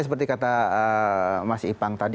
seperti kata mas ipang tadi